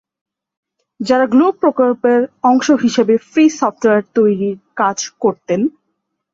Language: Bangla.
যারা গ্নু প্রকল্পের অংশ হিসাবে ফ্রি সফটওয়্যার তৈরীর কাজ করতেন।